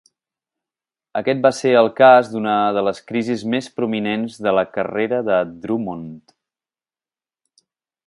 Aquest va ser el cas d'una de les crisis més prominents de la carrera de Drummond.